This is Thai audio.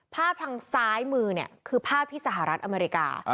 ภาพทางซ้ายมือเนี่ยคือภาพที่สหรัฐอเมริกา